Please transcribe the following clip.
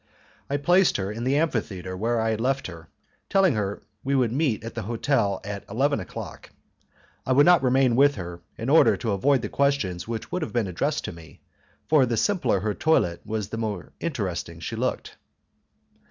I placed her in the amphitheatre where I left her, telling her that we would meet at the hotel at eleven o'clock. I would not remain with her, in order to avoid the questions which would have been addressed to me, for the simpler her toilet was the more interesting she looked.